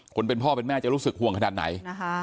คนเป็นพ่อเป็นแม่จะรู้สึกห่วงขนาดไหน